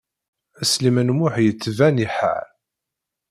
Sliman U Muḥ yettban iḥar.